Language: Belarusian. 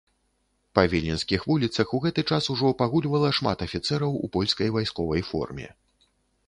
Па віленскіх вуліцах у гэты час ужо пагульвала шмат афіцэраў у польскай вайсковай форме.